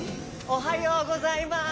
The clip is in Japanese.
おはようございます。